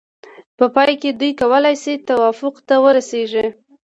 په پای کې دوی کولای شي توافق ته ورسیږي.